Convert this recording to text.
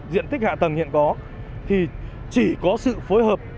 diện tích hạ tầng hiện có thì chỉ có sự phối hợp